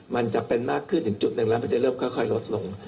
มันจะเป็นมากขึ้นถึงจุดหนึ่งแล้วมันจะเริ่มค่อยลดลง